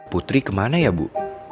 putri kemana ya bu